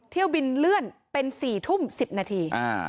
เที่ยวบินเลื่อนเป็น๔ทุ่ม๑๐นาที